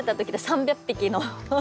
３００匹！？